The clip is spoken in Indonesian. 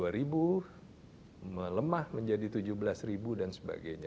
jadi itu sudah melemah menjadi tujuh belas ribu dan sebagainya